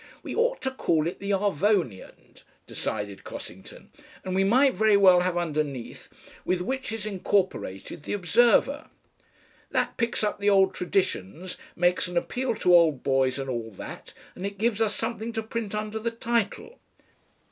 "We ought to call it the ARVONIAN," decided Cossington, "and we might very well have underneath, 'With which is incorporated the OBSERVER.' That picks up the old traditions, makes an appeal to old boys and all that, and it gives us something to print under the title."